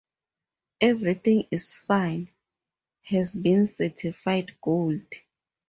"Everything Is Fine" has been certified gold.